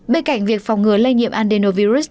bên cạnh việc phòng ngừa lây nhiệm adenovirus